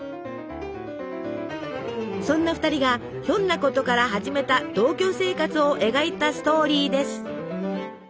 そんな２人がひょんなことから始めた同居生活を描いたストーリーです。